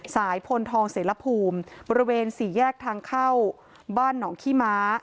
พลทองเสรภูมิบริเวณสี่แยกทางเข้าบ้านหนองขี้ม้า